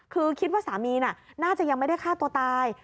คือคิดว่าสามีน่าจะยังไม่ได้ฆ่าตัวตาย